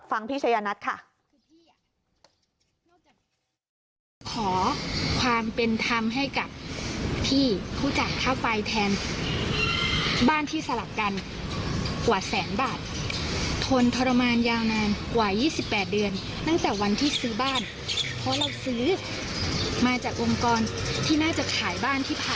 ฟังพี่เชยนัทค่ะ